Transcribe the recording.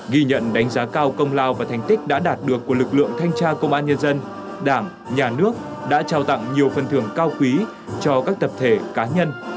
ghi nhận đánh giá cao công lao và thành tích đã đạt được của lực lượng thanh tra công an nhân dân đảng nhà nước đã trao tặng nhiều phần thưởng cao quý cho các tập thể cá nhân